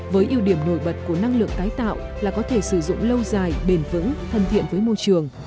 với ưu điểm nổi bật của năng lượng tái tạo là có thể sử dụng lâu dài bền vững thân thiện với môi trường